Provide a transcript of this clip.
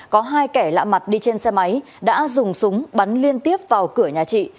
có hai kẻ lạ mặt đi trên xe máy đã dùng súng bắn liên tiếp vào cửa nhà chị